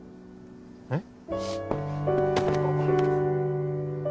えっ？